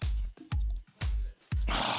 ああ。